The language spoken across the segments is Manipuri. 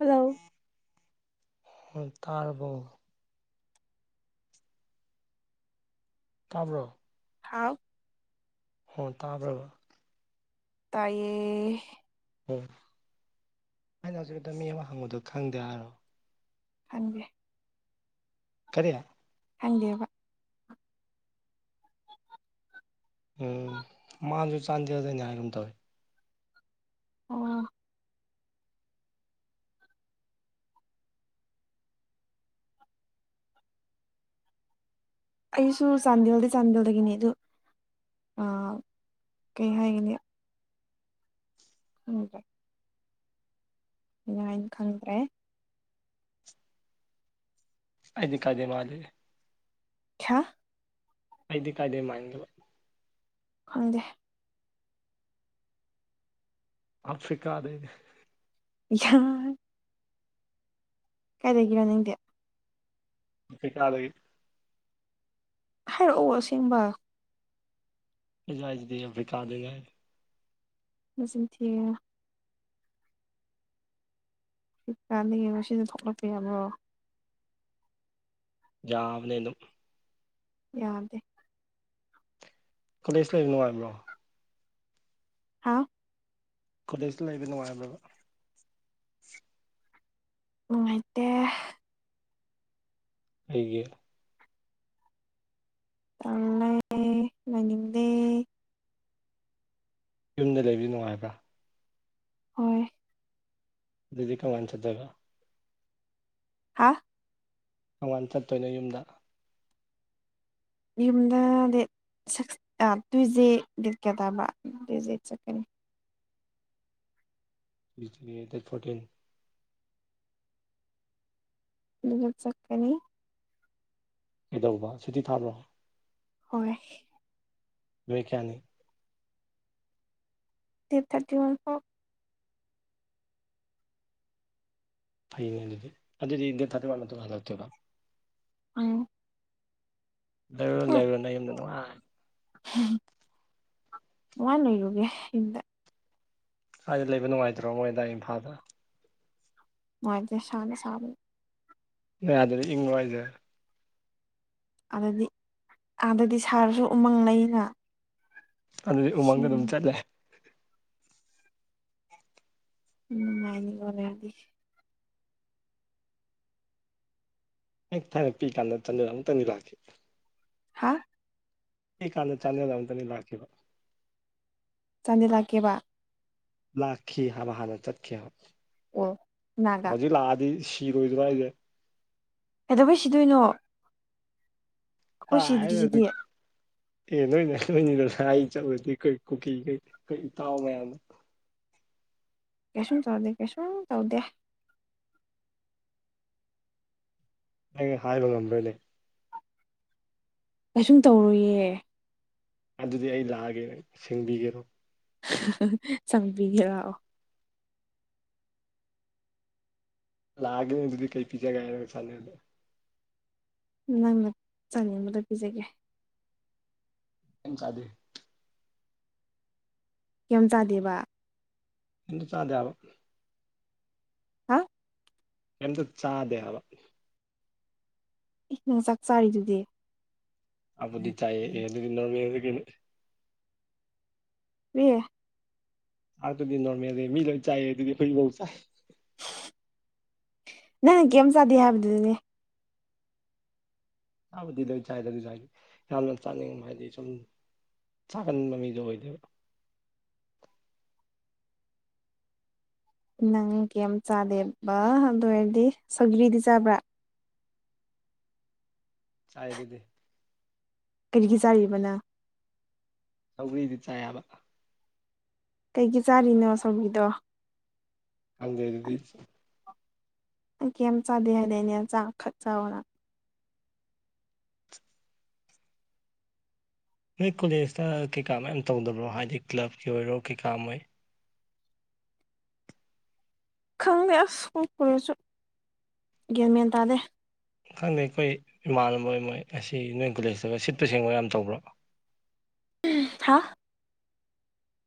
ꯍꯜꯂꯣ ꯑꯣ ꯇꯔꯕꯣ ꯇꯥꯕ꯭ꯔꯣ ꯊꯥꯎ ꯍꯣꯟ ꯇꯥꯕ꯭ꯔꯕ ꯇꯥꯏꯌꯦ ꯑꯣ ꯑꯩꯅ ꯍꯧꯖꯤꯗ ꯃꯤ ꯑꯃ ꯍꯪꯉꯨꯗꯣ ꯈꯪꯗꯦ ꯍꯥꯏꯔꯣ ꯈꯟꯗꯦ ꯀꯔꯤꯌꯥ ꯍꯪꯗꯦꯕ ꯎꯝ ꯃꯥꯁꯨ ꯆꯥꯟꯗꯔꯗꯣꯏꯅꯤ ꯍꯥꯏꯒꯨꯝ ꯇꯧꯋꯤ ꯑꯣ ꯑꯩꯁꯨ ꯆꯥꯟꯗꯦꯜꯗꯤ ꯆꯥꯟꯗꯦꯜꯗꯒꯤꯅꯤ ꯑꯗꯨ ꯀꯩ ꯍꯥꯏꯒꯅꯤ ꯎꯝ ꯍꯥꯏꯥꯏꯅ ꯈꯪꯗ꯭ꯔꯦ ꯑꯖꯤ ꯀꯗ ꯃꯥꯗꯗꯤ ꯈ ꯀꯥꯏꯗ ꯀꯥꯏꯗꯦ ꯃꯥꯏꯗꯕ ꯈꯪꯗꯦ ꯑꯐ꯭ꯔꯀꯥꯗꯦ ꯌꯥ ꯀꯥꯏꯗꯒꯤꯔꯅꯤꯡꯗꯦ ꯀꯥ ꯂꯩꯒ ꯍꯥꯏꯔꯛꯑꯣ ꯑꯁꯦꯡꯕ ꯂꯩꯖꯥꯏꯖꯗꯤ ꯀꯥꯗꯒ ꯃꯁꯤꯡ ꯊꯤ ꯁꯤ ꯆꯥꯅꯤꯡꯉꯦ ꯁꯤꯅ ꯊꯣꯛꯂꯛꯄ ꯌꯥꯃꯔꯣ ꯌꯥꯕꯅꯝ ꯌꯥꯗꯦ ꯀꯣꯂꯦꯖ ꯂꯩꯕ ꯅꯨꯡꯉꯥꯏꯕ꯭ꯔꯣ ꯍꯥꯥ ꯀꯣꯂꯦꯖꯇ ꯂꯩꯕ ꯅꯨꯡꯉꯥꯏꯕ꯭ꯔꯕ ꯅꯨꯡꯉꯥꯏꯇꯦ ꯑꯩꯒꯤ ꯇꯂꯦ ꯃꯅꯤꯡꯗꯦ ꯌꯨꯝꯗ ꯂꯩꯕ ꯅꯨꯡꯉꯥꯏꯕ ꯍꯣꯏ ꯑꯗꯨꯗꯤ ꯀ ꯃ ꯆꯗꯕ ꯍꯥ ꯃꯣꯡꯕꯥꯥꯟ ꯆꯠꯇꯣꯏꯅ ꯌꯨꯝꯗ ꯌꯨꯝꯗ ꯗꯦꯠ ꯁꯤꯛꯁ ꯇꯨꯏ ꯗꯦ ꯗꯦꯠ ꯀꯌꯥ ꯇꯥꯕ ꯇ꯭ꯋ ꯗꯦ ꯆꯠꯀꯅꯤ ꯕꯤ ꯗꯦꯠ ꯐꯣꯔꯇꯤꯟ ꯑꯗꯨ ꯆꯀꯅꯤ ꯀꯩꯗꯧꯕ ꯁꯨꯇꯤ ꯊꯥꯕ꯭ꯔꯣ ꯍꯣꯏ ꯃꯕꯒ꯭ꯅꯤ ꯗꯦꯠ ꯊꯥꯔꯇꯤ ꯋꯥꯟ ꯐꯥꯎ ꯐꯅꯦ ꯑꯗꯨꯗꯤ ꯑꯗꯨꯗꯤ ꯏ ꯊ ꯊꯔꯣ ꯑ ꯂꯥꯏꯕꯔꯣ ꯂꯥꯏꯕꯔꯣ ꯌꯨꯝꯗꯅꯨꯡꯉꯥꯏ ꯋꯥ ꯅꯏꯔꯨꯒꯦ ꯏꯗ ꯁ꯭ꯋꯥꯏꯗ ꯂꯩꯕ ꯅꯨꯡꯉꯥꯏꯇ꯭ꯔꯣ ꯃꯣꯏꯗ ꯏꯝꯐꯥꯜꯗ ꯃꯦ ꯁꯂ ꯁ ꯌꯥꯗꯗꯤ ꯏꯪ ꯅꯨꯡꯉꯥꯏꯁꯦ ꯑꯗꯗꯤ ꯑꯥꯗꯗꯤ ꯁꯥꯔꯁꯨ ꯎꯃꯪ ꯂꯩꯩꯅ ꯑꯗꯨꯗꯤ ꯎꯃꯪꯗ ꯑꯗꯨꯝ ꯆꯠꯂꯦ ꯎꯝ ꯉꯥꯏꯅꯤꯀꯔꯗꯤ ꯍ ꯊꯥꯏꯅ ꯄꯤ ꯀꯥꯟꯗ ꯆꯟꯖꯔ ꯑꯃꯝꯇꯟꯕꯤ ꯂꯛꯀꯦ ꯍꯥ ꯀ ꯀꯥꯟꯗ ꯆꯥꯟꯅꯅꯕ ꯑꯝꯇꯅꯤ ꯂꯥꯛꯈꯤꯕ ꯆꯥꯟꯁꯤꯜꯂꯛꯀꯦꯕ ꯂꯥꯛꯈꯤ ꯍꯥꯏꯕ ꯍꯥꯟꯅ ꯆꯠꯈꯤ ꯑꯣ ꯀꯅꯥꯒ ꯍꯧꯖꯤꯛ ꯂꯥꯛꯑꯗꯤ ꯁꯤꯔꯣꯏꯗ꯭ꯔꯣ ꯑꯩꯁꯦ ꯀꯩꯗꯧꯕꯩ ꯁꯤꯗꯣꯏꯅꯣ ꯇ ꯑꯩꯈꯣꯏ ꯍꯥꯏ ꯑꯗꯨ ꯁꯤꯗ꯭ꯔꯤꯁꯤꯗꯤ ꯑꯗꯨ ꯑꯦ ꯅꯣꯏꯅꯦ ꯅꯣꯏꯅꯤꯗ ꯁ ꯑꯩ ꯆꯠꯂꯗꯤ ꯑꯩꯈꯣꯏ ꯀꯨꯀꯤꯈꯩ ꯑꯩꯈꯣꯏ ꯏꯇꯥꯎ ꯃꯌꯥꯝꯅ ꯀꯩꯁꯁꯨ ꯆꯧꯗꯤꯦ ꯀꯦꯁꯨꯨꯝ ꯇꯧꯗꯦ ꯅ ꯍꯥꯏꯕ ꯉꯝꯕꯣꯏ ꯂꯩ ꯀꯩꯁꯨꯝ ꯇꯧꯔꯨꯌꯦ ꯑꯗꯨꯗꯤ ꯑꯩ ꯂꯥꯛꯑꯒꯦ ꯁꯦꯡꯕꯤꯒꯦꯔꯣ ꯆꯪꯕꯤꯈꯦꯔꯥꯛꯑꯣ ꯂꯥꯛꯑꯦ ꯑꯗꯨꯗꯤ ꯀꯩ ꯄꯤꯖꯥꯒꯅ ꯆꯥꯟꯣ ꯅꯪꯅ ꯆꯥꯅꯤꯡꯕꯗ ꯄꯤꯖꯒꯦ ꯌꯥꯝ ꯆꯗꯦ ꯀ ꯆꯥꯗꯦꯕ ꯍ ꯆꯥꯗ ꯌꯥꯕ ꯍꯥ ꯀꯇ ꯆꯥꯗꯦ ꯍꯥꯏꯕ ꯏ ꯅꯪ ꯆꯥꯛ ꯆꯥꯔꯤꯗꯨꯗꯤ ꯑꯗꯤ ꯆꯥꯏꯌꯦ ꯍꯦꯅꯤꯅꯃꯤ ꯀ ꯌꯦ ꯑꯔ ꯑꯗꯨꯗꯤ ꯅꯣꯔꯔꯃꯦꯜꯦ ꯃꯤ ꯂꯩ ꯆꯥꯏꯌꯦ ꯑꯗꯨꯗꯤ ꯐꯣꯏꯕꯧ ꯆ ꯅꯪꯅ ꯀꯔꯤꯝ ꯆꯥꯗꯦ ꯍꯥꯏꯕꯗꯨꯅꯦ ꯆꯥꯕꯗꯤ ꯂꯣꯏꯖꯥꯏ ꯂꯥꯏꯦ ꯌꯥꯝꯅ ꯆꯥꯅꯤꯡ ꯍꯥꯏꯗꯤ ꯁꯨꯝ ꯆꯥꯒꯟꯕ ꯃꯤꯗꯣ ꯑꯣꯏꯗꯣꯏꯕ ꯅꯪ ꯀ ꯌꯥꯝ ꯆꯥꯗꯦꯕ ꯑꯗꯨ ꯑꯣꯏꯔꯗꯤ ꯁꯒꯔꯤꯗꯤ ꯆꯥꯕ꯭ꯔꯥ ꯆꯥꯏ ꯑꯗꯨꯗꯤ ꯀꯔꯤꯒꯤ ꯆꯥꯔꯤꯕꯅꯣ ꯁꯧꯒꯔꯤꯗꯤ ꯆꯥꯕ ꯀꯩꯒꯤ ꯆꯥꯔꯤꯅꯣ ꯁꯥꯎꯕꯤꯗꯣ ꯍꯪꯖꯦ ꯑꯗꯨꯗꯤ ꯑꯩ ꯀꯩꯝ ꯆꯥꯗꯦ ꯍꯥꯏꯅꯩꯅꯦ ꯆꯥꯛ ꯈꯛ ꯆꯥꯅ ꯅꯣꯏ ꯀꯣꯂꯦꯖꯇ ꯀꯩꯀꯥ ꯃꯌꯥꯝ ꯇꯧꯗꯕ꯭ꯔꯣ ꯍꯥꯏꯗꯤ ꯀ꯭ꯂꯕꯀꯤ ꯑꯣꯏꯔꯣ ꯀꯩꯀꯥ ꯃꯣꯏ ꯈꯪꯗꯦ ꯑꯁ ꯄꯨꯔꯁꯨ ꯒ꯭ꯦꯝ ꯃꯦꯟ ꯇꯥꯗꯦ ꯈꯪꯗꯦ ꯑꯩꯈꯣꯏ ꯏꯃꯥꯟꯅꯕ ꯑꯣꯏ ꯃꯣꯏ ꯑꯁꯤ ꯅꯣꯏ ꯀꯣꯂꯦꯖꯇꯒ ꯁꯤꯠꯄꯨ ꯁꯦꯡꯕ ꯌꯥꯝ ꯇꯧꯕ꯭ꯔꯣ ꯊ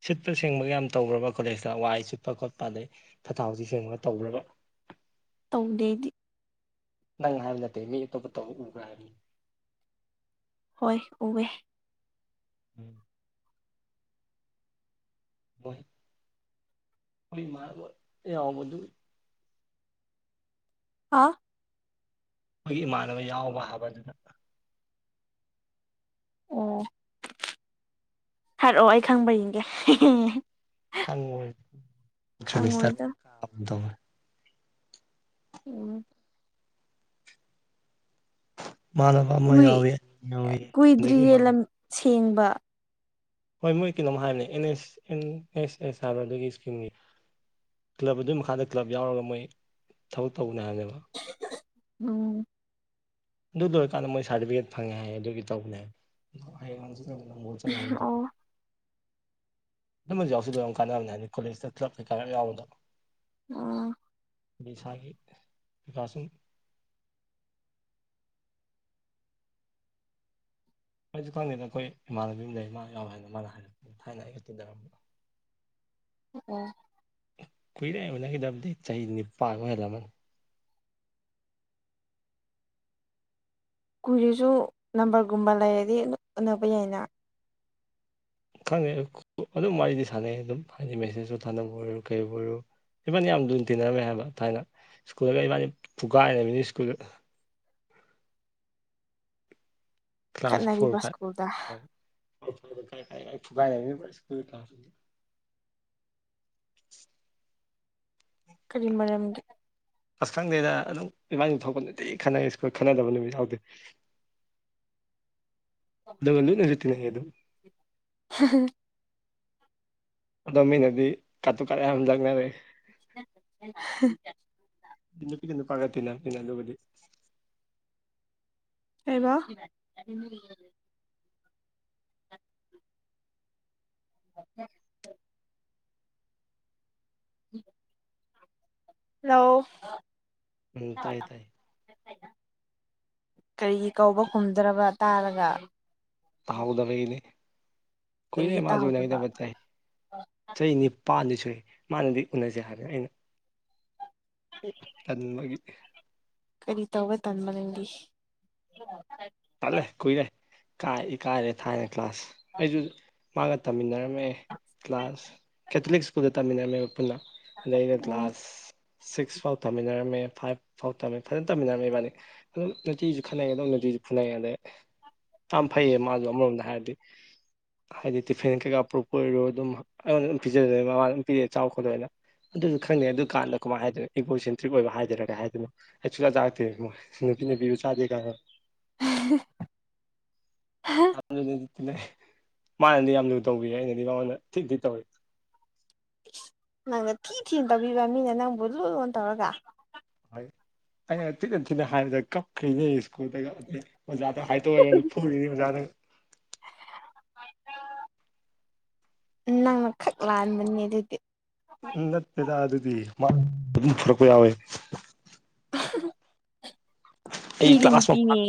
ꯁꯤꯠꯄ ꯁꯦꯡꯕꯒ ꯌꯥꯝ ꯇꯧ꯭ꯔꯕ ꯀꯣꯂꯦꯖꯇ ꯋꯥꯏ ꯁꯤꯠꯄ ꯈꯣꯠꯄ ꯑꯗꯩ ꯐꯊꯥꯎꯊꯤ ꯁꯦꯡꯕꯒ ꯇꯧ꯭ꯔꯕ ꯇꯧꯗꯦꯗꯤ ꯅꯪ ꯍꯥꯏꯕ ꯅꯠꯇꯦ ꯃꯤ ꯑꯇꯣꯞꯄ ꯇꯧ ꯎꯕ꯭ꯔ ꯍꯥꯏꯕꯅꯤ ꯍꯣꯏ ꯎꯋꯦ ꯎꯝ ꯃꯥ ꯑ ꯍꯥꯥ ꯑꯩꯈꯣꯏꯒꯤ ꯏꯃꯥꯟꯅꯕ ꯌꯥꯎꯕ ꯍꯥꯏꯕꯗꯨꯗ ꯑꯣ ꯍꯥꯏꯔꯛꯑꯣ ꯑꯩ ꯈꯪꯕꯒꯤꯒꯦ ꯎꯝ ꯊꯪ ꯆꯕꯤꯁ ꯈꯪꯉꯣꯏꯗ ꯇꯔꯗ ꯎꯝ ꯏꯃꯥꯟꯅꯕ ꯑꯃ ꯀꯨꯏ ꯌꯥꯎꯋꯤ ꯑꯅꯤ ꯌꯥꯎꯋꯤ ꯑꯗꯒꯤ ꯏꯃꯥꯟꯅꯕ ꯀꯨꯏꯗ꯭ꯔꯤꯌꯦꯂꯝ ꯁꯦꯡꯕ ꯍꯣꯏ ꯃꯣꯏ ꯀꯩꯅꯣꯝ ꯍꯥꯏꯕꯅꯦ ꯑꯦꯟ ꯑꯦꯁ ꯑꯦꯟ ꯑꯦꯁ ꯑꯦꯁ ꯍꯥꯏꯕ ꯑꯗꯨꯒꯤ ꯏꯁꯀꯤꯝꯒꯤ ꯀ꯭ꯂꯕ ꯑꯗꯨꯒꯤ ꯃꯈꯥꯗ ꯀ꯭ꯂꯕ ꯌꯥꯎꯔꯒ ꯃꯣꯏ ꯊꯕꯛ ꯇꯧꯕꯅꯦ ꯍꯥꯏꯕꯅꯦꯕ ꯎꯝ ꯑꯗꯨ ꯂꯣꯏꯔꯀꯥꯟꯗ ꯃꯣꯏ ꯁꯥꯔꯇꯤꯐꯤꯀꯦꯠ ꯐꯪꯉꯦ ꯍꯥꯏ ꯑꯗꯨꯒꯤ ꯇꯧꯕꯅꯦ ꯃꯆꯥ ꯂꯗ ꯑꯣ ꯑꯗꯨ ꯌꯥꯎꯁꯨꯗꯣ ꯌꯥꯝ ꯀꯥꯟꯅꯕꯅꯤ ꯍꯥꯏ ꯀꯣꯂꯦꯖꯇ ꯀ꯭ꯂꯂꯞ ꯀꯩꯀ ꯈ ꯌꯥꯝ ꯌꯥꯎꯕꯗꯣ ꯑꯣ ꯑꯗꯩ ꯏꯁꯥꯒꯤ ꯄꯩꯀꯥꯥꯁꯨꯝ ꯑꯩꯁꯨ ꯈꯪꯗꯦꯗ ꯑꯩꯈꯣꯏ ꯏꯃꯥꯟꯅꯕꯤ ꯑꯃ ꯂꯩ ꯃꯥ ꯌꯥꯎꯔꯦ ꯍꯥꯏꯅ ꯃꯥꯅ ꯍꯥꯏꯔꯛꯄꯅꯤ ꯊꯥꯏꯅ ꯑꯩꯒ ꯇꯤꯟꯅꯔꯝꯕ ꯑꯣ ꯀꯨꯏꯔꯦ ꯑꯣꯏꯅꯈꯤꯗꯕꯗꯤ ꯆꯍꯤ ꯅꯤꯄꯥꯟ ꯑꯣꯏꯔꯝꯃꯅꯤ ꯀꯨꯏꯔꯁꯨ ꯅꯝꯕꯔꯒꯨꯝꯕ ꯂꯩꯔꯗꯤ ꯎꯅꯕ ꯌꯥꯏꯅ ꯈꯪꯉꯦ ꯑꯗꯨꯝ ꯋꯥꯔꯤꯗꯤ ꯁꯥꯟꯅꯩ ꯑꯗꯨꯝ ꯍꯥꯏꯗꯤ ꯃꯦꯁꯦꯖꯇꯣ ꯁꯥꯟꯅꯕ ꯑꯣꯏꯔꯣ ꯀꯔꯤꯕꯨ ꯑꯣꯏꯔꯣ ꯏꯕꯥꯅꯤ ꯌꯥꯝ ꯂꯅ ꯇꯤꯟꯅꯔꯝꯃꯦ ꯍꯥꯏꯕ ꯊꯥꯏꯅ ꯁ꯭ꯀꯨꯜꯂꯒ ꯏꯕꯥꯅꯤ ꯄꯨꯀꯥꯏꯔꯃꯤꯅꯤ ꯁ꯭ꯀꯨꯜ ꯀ꯭ꯂꯥꯁ ꯐꯣꯔ ꯈꯠꯅꯔꯤꯕ ꯁ꯭ꯀꯨꯜꯗ ꯐꯥꯏꯚ ꯍꯣꯏ ꯐ ꯐꯥꯏꯒꯥꯏ ꯁꯀꯨ ꯀ꯭ꯂ ꯀꯔꯤ ꯃꯔꯝꯒꯤ ꯑꯁꯈꯪꯗꯩꯗ ꯑꯗꯨꯝ ꯏꯕꯥꯥꯡꯗꯨ ꯊꯣꯛꯄꯅꯗꯤ ꯈꯟꯅꯩ ꯁꯀꯣꯏ ꯈꯟꯅꯗꯕ ꯅꯨꯃꯤꯠ ꯌꯥꯎꯗꯦ ꯑ ꯅꯔꯤꯛꯇꯅꯦ ꯑ ꯑꯗꯨ [unintelligible] ꯑꯗꯣ ꯃꯤꯅꯗꯤ ꯀꯥꯠꯇꯨ ꯀꯥꯂꯦ ꯌꯥꯝ ꯂꯪꯅꯔꯦ [unintelligible] ꯅꯨꯄꯤꯒꯤ ꯅꯨꯄꯥꯥꯒꯠꯇꯦꯅꯅ ꯑꯗꯨꯒꯗꯤ ꯍꯥꯏꯕ [inaudible] ꯍꯂꯣ ꯎꯝ ꯇꯥꯏꯌꯦ ꯇꯥꯏꯌꯦ ꯀꯔꯤ ꯀꯧꯕ ꯈꯨꯝꯗ꯭ꯔꯕ ꯇꯥꯔꯒ ꯇꯍꯒꯗꯕꯩ ꯀꯗꯅꯦ ꯀꯨꯏꯔꯦ ꯀꯔꯤꯒꯤ ꯃꯥꯖꯣꯏꯅ ꯇꯥꯍꯧꯗꯕ ꯀꯗꯕ ꯆꯥꯏ ꯆꯍꯤ ꯅꯤꯄꯥꯟꯗꯤ ꯁꯨꯏ ꯃꯥꯅꯗꯤ ꯎꯅꯁꯦ ꯍꯥꯏꯕꯅ ꯑꯩꯅ ꯇꯟꯕꯒꯤ ꯀꯔꯤ ꯇꯧꯧꯕ ꯇꯟꯝꯕ ꯅꯪꯗꯤ ꯇꯠꯂꯦ ꯀꯨꯏꯔꯦ ꯀꯥꯏ ꯀꯥꯏꯔꯦ ꯊꯥꯏꯅ ꯀ꯭ꯂꯥꯁ ꯑꯩꯁꯨ ꯃꯥꯒ ꯇꯝꯃꯤꯟꯅꯔ ꯀ꯭ꯂꯥꯁ ꯀꯦꯊꯂꯤꯛ ꯁ꯭ꯀꯨꯜꯗ ꯇꯝꯃꯤꯟꯅꯃꯦ ꯄꯨꯟꯅ ꯑꯗꯩ ꯑꯩꯅ ꯎꯝ ꯀ꯭ꯂꯥꯁ ꯁꯤꯛꯁ ꯐꯥꯎ ꯇꯝꯃꯤꯟꯅꯔꯝꯃꯦ ꯐꯥꯏꯚ ꯐꯥꯎ ꯊꯝꯃꯦ ꯐꯖꯅ ꯇꯝꯃꯤꯟꯅꯔꯝꯃꯦ ꯏꯕꯥꯅꯤ ꯑꯗꯨꯝ ꯅꯆꯦꯁꯨ ꯈꯅꯩꯌꯦꯗꯝ ꯅꯠꯇꯦꯁꯨ ꯐꯨꯅꯩ ꯑꯗꯩ ꯌꯥꯝ ꯐꯩꯌꯦ ꯃꯥꯁꯨꯣ ꯑꯃꯔꯣꯝꯗ ꯍꯥꯏꯔꯗꯤ ꯍꯥꯏꯗꯤ ꯇꯤꯐꯤꯟ ꯀꯩꯀꯥ ꯄ꯭ꯔꯨꯞꯄ ꯑꯣꯏꯔꯣ ꯑꯗꯨꯝ ꯑꯩꯉꯣꯟꯗ ꯑꯗꯨꯝ ꯄꯤꯖꯗꯣꯏ ꯃꯃꯥꯗ ꯑꯗꯨꯝ ꯄꯤꯔꯦ ꯆꯥꯎꯔ ꯈꯣꯠꯇꯣꯏꯅ ꯑꯗꯨꯁꯨ ꯈꯪꯅꯦ ꯑꯗꯨꯀꯥꯟꯗ ꯀꯃꯥꯏꯅ ꯍꯥꯏꯗꯅ ꯏꯀꯣ ꯁꯦꯟꯇ꯭ꯔꯤꯛ ꯑꯣꯏꯕ ꯍꯥꯏꯗꯣꯏꯔꯒꯦ ꯍꯥꯏꯗꯅꯣ ꯍꯆꯂꯖꯥꯛꯦ ꯅꯄꯤꯅꯦ ꯕꯤꯌ ꯆꯗꯦ ꯀ ꯍꯥ ꯌꯥꯝꯤ ꯃꯥꯅꯗꯤ ꯌꯥꯝ ꯂꯨ ꯇꯧꯕꯤ ꯑꯩꯅꯗꯤ ꯃꯉꯣꯟꯗ ꯊꯤꯗꯤꯤ ꯇꯧꯏ ꯅꯪꯅ ꯊꯤ ꯊꯤꯅ ꯇꯧꯕꯤꯕ ꯃꯤꯅ ꯅꯪꯕꯨ ꯂꯨ ꯂꯣꯟ ꯇꯧꯔꯒ ꯍꯣꯏ ꯑꯩꯅ ꯊꯤꯅ ꯊꯤꯅ ꯍꯥꯏꯕꯗ ꯀꯞꯈ꯭ꯔꯤꯅꯦ ꯁ꯭ꯀꯨꯜꯗꯒ ꯑꯣꯖꯥꯗ ꯍꯥꯏꯗꯣꯛꯑꯔꯒ ꯐꯔꯤꯅꯤ ꯑꯣꯖꯥꯗ ꯅꯪꯅ ꯈꯛ ꯂꯥꯟꯕꯅꯦ ꯑꯗꯨꯗꯤ ꯎ ꯅꯠꯇꯦꯗ ꯑꯗꯨꯗꯤ ꯃꯥ ꯑꯗꯨꯝ ꯊꯣꯔꯛꯄ ꯌꯥꯎꯋꯦ ꯑꯩ ꯃꯤꯗꯤ ꯀ꯭ꯂꯥꯁ ꯃ ꯅꯨꯄꯤꯅꯦ ꯐꯥꯗ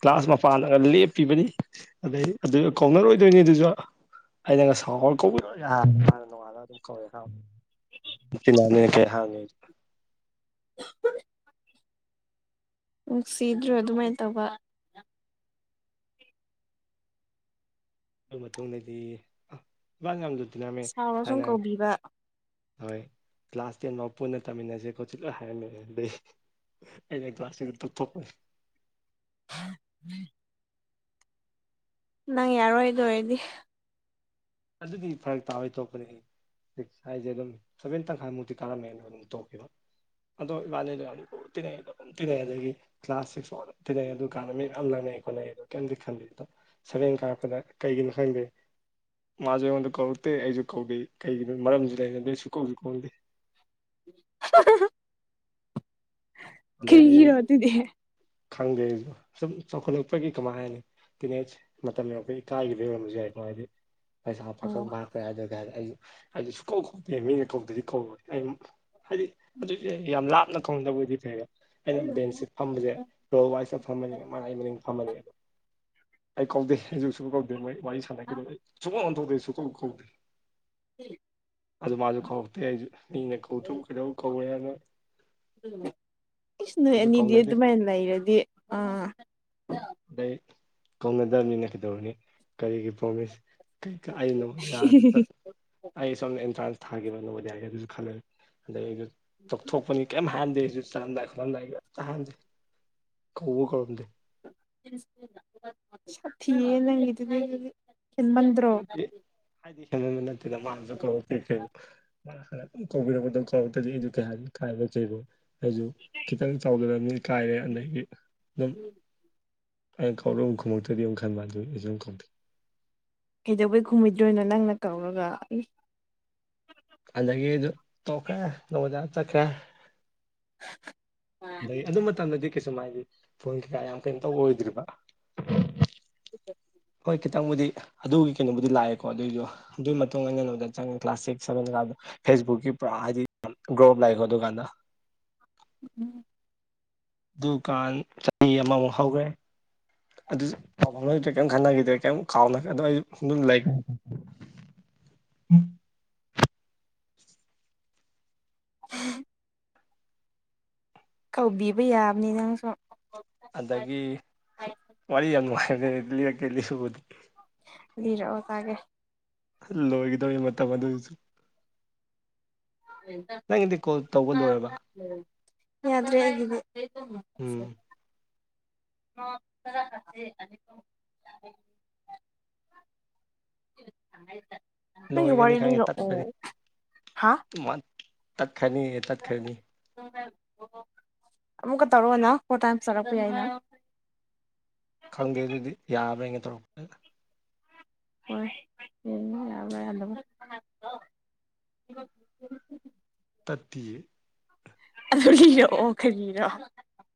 ꯒ꯭ꯂꯥꯁ ꯃꯄꯥꯟꯒ ꯂꯦꯞꯄꯤꯕꯅꯤ ꯑꯗꯩ ꯑꯗꯨ ꯀꯧꯅꯔꯣꯏꯗꯣꯏꯅꯤ ꯑꯗꯨꯁꯨ ꯑꯩꯅ ꯉꯁꯥꯎ ꯀꯧꯕꯅꯅꯨꯡꯉꯥꯂ ꯑꯗꯨꯝ ꯀꯧꯋꯦ ꯐꯤꯂꯅꯦꯅ ꯀꯍꯥꯡꯉꯦ [unintelligible] ꯅꯨꯡꯁꯤꯗ꯭ꯔꯣ ꯑꯗꯨꯃꯥꯏꯅ ꯇꯧꯕ ꯑꯗꯨ ꯃꯇꯨꯡꯗꯗꯤ [unintelligible] ꯌꯥꯝ ꯂꯨ ꯇꯤꯟꯅꯔꯝꯃꯦ ꯁꯥꯎꯔ ꯁꯨꯝ ꯍꯥꯟꯅ ꯀꯧꯕꯤꯕ ꯍꯣꯏ ꯀ꯭ꯂꯥꯁ ꯇꯦꯟꯕꯥꯎ ꯄꯨꯟꯅ ꯇꯝꯃꯤꯟꯅꯖꯦ ꯈꯣꯠꯁꯦ ꯂꯣꯏ ꯍꯥꯏꯔꯝꯃꯤꯅꯤ ꯑꯗꯩ ꯑꯩꯅ ꯀ꯭ꯂꯥꯥꯁ ꯇꯦꯟꯗ ꯇꯣꯛꯊꯣꯛꯄ [unintelligible] ꯅꯪ ꯌꯥꯔꯣꯏꯗ ꯑꯗꯨ ꯑꯣꯏꯔꯗꯤ ꯑꯗꯨꯗꯤ ꯐꯔꯛ ꯇꯥꯕꯩ ꯇꯣꯛꯄꯅꯦꯍꯦ ꯁꯤꯛꯁ ꯍꯥꯏꯁꯦ ꯑꯗꯨꯝ ꯁꯚꯦꯟ ꯇꯪꯈꯥꯏꯃꯨꯛꯇꯤ ꯀꯥꯔꯝꯃꯦ ꯑꯗꯨꯝ ꯇꯣꯛꯈꯤꯕ ꯑꯗꯣ ꯏꯕꯥꯅꯤꯗꯣ ꯌꯥꯝ ꯂꯨ ꯇꯤꯟꯅꯩ ꯑꯗꯨꯝ ꯇꯤꯟꯅꯩ ꯑꯗꯒꯤ ꯀ꯭ꯂꯥꯁ ꯁꯤꯛꯁ ꯐꯥꯎ ꯑꯗꯨꯝ ꯇꯤꯟꯅꯩ ꯑꯗꯨ ꯀꯥꯟꯗ ꯃꯤ ꯃꯌꯥꯝ ꯂꯪꯅꯩ ꯈꯣꯠꯅꯩ ꯑꯗꯣ ꯀꯩꯝꯗꯤ ꯈꯟꯗꯦ ꯁꯕꯦꯟ ꯀꯥꯔꯛꯄꯗ ꯀꯩꯒꯤꯅꯣ ꯈꯪꯗꯦ ꯃꯥꯖꯨ ꯑꯩꯉꯣꯟꯗ ꯀꯧꯔꯛꯇꯦ ꯑꯩꯖꯨ ꯀꯧꯗꯦ ꯀꯩꯒꯤꯅꯣ ꯃꯔꯝꯖꯨ ꯂꯩꯅꯗꯦ ꯁꯨꯛ ꯀꯧꯖꯨ ꯀꯧꯅꯗꯦ [unintelligible] ꯑꯗꯒꯤ ꯀꯔꯤꯒꯤꯔꯣ ꯑꯗꯨꯗꯤ ꯈꯪꯗꯦ ꯑꯩꯖꯨ ꯁꯨꯝ ꯆꯥꯎꯈꯠꯂꯛꯄꯒꯤ ꯀꯃꯥꯏ ꯍꯥꯏꯅꯤ ꯇꯤꯟ ꯑꯦꯁ ꯃꯇꯝ ꯌꯧꯔꯛꯄꯒꯤ ꯏꯀꯥꯏꯒꯤꯕ ꯑꯣꯏꯝꯕꯁꯨ ꯌꯥꯏꯀꯣ ꯍꯥꯏꯗꯤ ꯂꯩꯁꯥ ꯄꯥꯈꯪ ꯐꯥ [unintelligible] ꯑꯩꯁꯨ ꯁꯨꯛꯀꯧ ꯀꯧꯗꯦ ꯃꯤꯅ ꯀꯧꯗꯗꯤ ꯀꯧꯔꯣꯏꯅ ꯑꯩ ꯍꯥꯏꯗꯤ ꯑꯗꯨꯗꯤ ꯌꯥꯝ ꯂꯥꯞꯅ ꯀꯧꯅꯗꯕ ꯑꯣꯏꯗꯤ ꯐꯩꯕ ꯑꯩꯅ ꯕꯦꯟꯁꯁꯦ ꯐꯝꯕꯁꯦ ꯔꯣꯜ ꯋꯥꯏꯖꯇ ꯐꯝꯕꯅꯤꯅ ꯃꯥ ꯑꯩ ꯃꯅꯤꯡ ꯐꯝꯃꯅꯤ ꯑꯗꯣ ꯑꯩ ꯀꯧꯗꯦ ꯑꯩꯁꯨ ꯁꯨꯝ ꯀꯧꯗꯦ ꯃꯣꯏ ꯋꯥꯔꯤ ꯁꯥꯟꯅꯈꯤꯗꯕ ꯑꯩ ꯁꯨꯛꯑꯣꯟ ꯑꯣꯟꯊꯇ꯭ꯔꯦ ꯁꯨꯛ ꯀꯧ ꯀꯧꯗꯦ [unintelligible] ꯑꯗꯨ ꯃꯥꯁꯨ ꯀꯧꯔꯛꯇꯦ ꯑꯩꯁꯨ ꯃꯤꯅ ꯀꯧꯔꯛꯇꯔ꯭ꯕꯨ ꯀꯩꯗꯧ ꯀꯧꯔꯦꯅꯣ ꯏꯁꯁꯅꯣꯏ ꯑꯗꯨ ꯑꯅꯤꯗꯤ ꯀꯧꯅꯗꯦ ꯑꯗꯨꯃꯥꯏꯅ ꯂꯩꯔꯗꯤ ꯑꯥ ꯑꯗꯩ ꯀꯧꯅꯗꯕꯅꯤꯅ ꯀꯩꯗꯧꯔꯨꯅꯤ ꯀꯔꯤꯒꯤ ꯄ꯭ꯔꯣꯃꯤꯁ ꯀꯩꯀ ꯑꯩꯅ ꯗꯨꯝ ꯌꯥꯗ ꯆꯠ ꯑꯩ ꯁꯣꯝꯗ ꯑꯦꯟꯇ꯭ꯔꯥꯟꯁ ꯊꯥꯒꯤꯕ ꯅꯕꯣꯗꯤꯌꯥꯒꯤ ꯑꯗꯨꯖꯨꯠ ꯈꯜꯂꯦ ꯑꯗꯩ ꯑꯩꯁꯨ ꯇꯧꯊꯣꯛꯄꯅꯤ ꯀꯩꯝ ꯍꯥꯏꯔꯝꯗꯦ ꯑꯩꯖꯨ ꯆꯔꯝꯗꯥꯏ ꯆꯂꯝꯗꯥꯏꯗ ꯇꯍꯥꯏꯔꯝꯗꯦ ꯀꯧꯕꯧ ꯀꯧꯔꯝꯗꯦ ꯁꯥꯊꯤꯌꯦ ꯅꯪꯒꯤꯗꯨꯗꯤ ꯍꯦꯟꯃꯟꯗ ꯍꯥꯏꯗꯤ ꯍꯦꯟꯃꯟꯕ ꯅꯠꯇꯦꯗ ꯃꯥꯅꯖꯨ ꯀꯧꯔꯛꯇꯦ ꯀꯩꯅꯣ ꯀꯧꯕꯤꯔꯛꯄꯗ ꯀꯧꯔꯛꯇꯗꯤ ꯑꯩ ꯀ ꯍꯥꯏ ꯏꯀꯥꯏꯕꯣꯏ ꯀꯩꯑꯣꯏ ꯑꯩꯖꯨ ꯈꯤꯇꯪ ꯆꯥꯎꯖꯔꯝꯅꯤꯅꯥ ꯏꯀꯥꯏꯔꯦ ꯑꯗꯩꯗꯤ ꯑꯗꯨꯝ ꯑꯩꯅ ꯀꯧꯔ ꯑꯃꯨꯛ ꯈꯨꯝꯃꯛꯇ꯭ꯔꯗꯤ ꯑꯃꯨꯛ ꯈꯟꯕ ꯑꯗꯨ ꯑꯩꯖꯨ ꯑꯗꯨꯝ ꯀꯧꯗꯦ ꯀꯩꯗꯧꯕꯩ ꯈꯨꯝꯃꯣꯏꯗ꯭ꯔꯣꯏꯅꯣ ꯅꯪꯅ ꯀꯧꯔꯒ ꯑꯗꯒꯤ ꯑꯩꯖꯨ ꯇꯣꯛꯈꯔꯦ ꯅꯕꯣꯗꯥꯌꯥ ꯆꯠꯈꯔꯦ ꯑꯩ ꯑꯗꯨ ꯃꯇꯝꯗꯗꯤ ꯀꯩꯁꯨꯝ ꯍꯥꯏꯗꯤ ꯐꯣꯟ ꯀꯩꯀꯥ ꯌꯥꯝ ꯀꯩꯅꯣ ꯇꯧꯕ ꯑꯣꯏꯗ꯭ꯔꯤꯕ [unintelligible] ꯍꯣꯏ ꯈꯤꯇꯪꯕꯨꯗꯤ ꯑꯗꯨꯒꯤ ꯀꯩꯅꯣꯕꯨꯗꯤ ꯂꯥꯛꯑꯦꯀꯣ ꯑꯗꯨꯏꯖꯨ ꯑꯗꯨꯏ ꯃꯇꯨꯡ ꯑꯩꯅ ꯅꯥꯕꯣꯗꯥꯌꯥ ꯆꯪꯉ ꯀ꯭ꯂꯥꯁ ꯁꯤꯛꯁ ꯁꯚꯦꯟ ꯀꯥꯕꯗꯣ ꯐꯦꯁꯕꯨꯛꯀꯤ ꯄꯨꯔꯥ ꯍꯥꯏꯗꯤ ꯒ꯭ꯔꯣꯑꯞ ꯂꯥꯛꯏꯀꯣ ꯑꯗꯨꯀꯥꯟꯗ ꯎꯝ ꯗꯨꯀꯥꯟ ꯆꯍꯤ ꯑꯃꯃꯨꯛ ꯍꯧꯈ꯭ꯔꯦ ꯑꯗꯨꯁꯨ ꯄꯥꯎ ꯐꯥꯎꯅꯈꯤꯗ꯭ꯔꯦ ꯀꯔꯤꯝ ꯈꯟꯅꯈꯤꯗ꯭ꯔꯦ ꯀꯔꯤꯝ ꯀꯥꯎꯅ ꯑꯗꯣ ꯑꯗꯨꯝ ꯂꯩ [unintelligible] ꯀꯧꯕꯤꯕ ꯌꯥꯕꯅꯤ ꯅꯪꯁꯨ ꯑꯗꯒꯤ ꯋꯥꯔꯤ ꯌꯥꯝ ꯅꯨꯡꯉꯥꯏꯕꯅꯦ ꯂꯤꯔꯛꯀꯦ ꯂꯤꯕꯨꯗꯤ ꯂꯤꯔꯛ ꯑꯣ ꯇꯥꯒꯦ ꯂꯣꯏꯒꯗꯧꯔꯦ ꯃꯇꯝ ꯑꯗꯨ ꯑꯣꯏꯖꯨ ꯎꯝ ꯅꯪꯒꯤꯗꯤ ꯀꯣꯜ ꯇꯧꯕ ꯂꯣꯏꯔꯕ ꯌꯥꯗꯔ꯭ꯦ ꯑꯩꯒꯤꯗꯤ ꯎꯝ [unintelligible] ꯂꯣꯏꯒꯅꯤ ꯈꯪꯉꯦ ꯇꯠꯀꯅꯤ [unintelligible] [unintelligible] ꯑꯃꯨꯛ ꯇꯧꯔꯛꯑꯣꯅ ꯄꯣꯇ ꯆꯔꯛꯄ ꯌꯥꯏꯅ ꯈꯪꯗꯦ ꯑꯗꯨꯗꯤ ꯌꯥꯕ꯭ꯔꯅ ꯇꯧꯔꯛꯄ ꯍꯣꯏ ꯌꯥ ꯌꯥꯗꯕ꯭ꯔꯥ ꯇꯠꯇꯦ ꯑꯗꯨ ꯂꯩꯔꯛꯑꯣ ꯈꯔꯤꯔꯣ